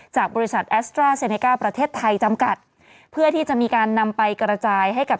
จากบริษัทแอสตราเซเนก้าประเทศไทยจำกัดเพื่อที่จะมีการนำไปกระจายให้กับ